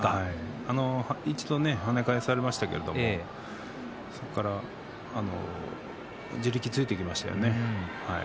一度、跳ね返されましたけれどもそこから地力ついてきましたよね。